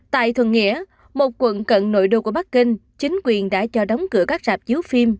tại thuận nghĩa một quận cận nội đô của bắc kinh chính quyền đã cho đóng cửa các rạp chiếu phim